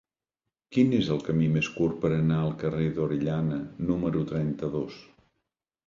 Quin és el camí més curt per anar al carrer d'Orellana número trenta-dos?